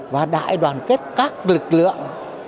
và đại đoàn kết các lực lượng